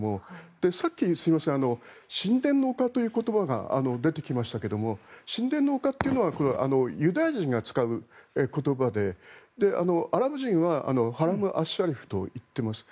さっき、神殿の丘という言葉が出てきましたが神殿の丘というのはユダヤ人が使う言葉でアラブ人はハラム・アッシャリーフと言っています。